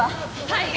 はい。